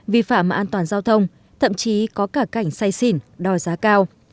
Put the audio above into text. vi phạm an toàn giao thông thậm chí có cả cảnh say xỉn đòi giá cao